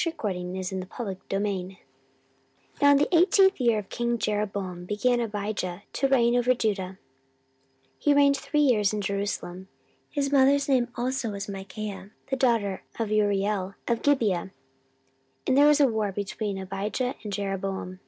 14:013:001 Now in the eighteenth year of king Jeroboam began Abijah to reign over Judah. 14:013:002 He reigned three years in Jerusalem. His mother's name also was Michaiah the daughter of Uriel of Gibeah. And there was war between Abijah and Jeroboam.